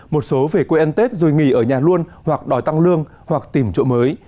một số về quê ăn tết rồi nghỉ ở nhà luôn hoặc đòi tăng lương hoặc tìm chỗ mới